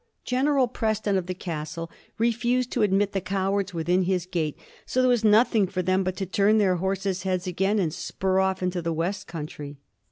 General Preston of the Castle refused to admit the cowards within his gate, so there was nothing for them but to turn their horses' heads again and spur off into the west country.